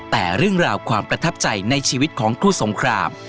แต่เรื่องราวความประทับใจในชีวิตของครูสงคราม